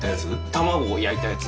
卵を焼いたやつ。